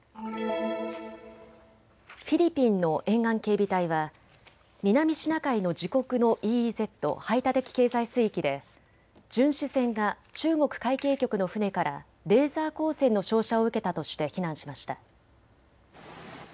フィリピンの沿岸警備隊は南シナ海の自国のＥＥＺ・排他的経済水域で巡視船が中国海警局の船からレーザー光線の照射を受けたとして非難しました。